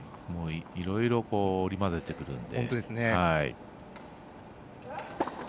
いろいろ織り交ぜてくるので。